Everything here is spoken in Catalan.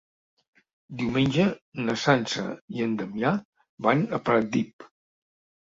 Diumenge na Sança i en Damià van a Pratdip.